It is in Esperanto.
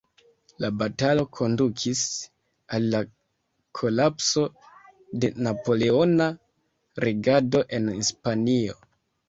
La batalo kondukis al la kolapso de napoleona regado en Hispanio.